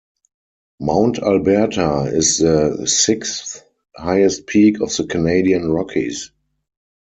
Mount Alberta is the sixth highest peak of the Canadian Rockies.